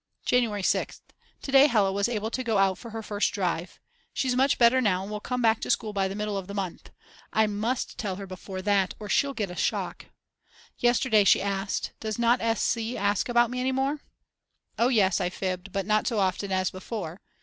January 6th. To day Hella was able to go out for her first drive. She's much better now and will come back to school by the middle of the month. I must tell her before that or she'll get a shock. Yesterday she asked: Does not S. C. ask about me any more? Oh yes, I fibbed, but not so often as before.